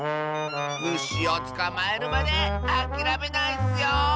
むしをつかまえるまであきらめないッスよ！